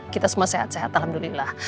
kita semua sehat sehat alhamdulillah